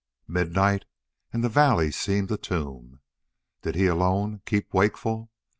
Midnight and the valley seemed a tomb! Did he alone keep wakeful?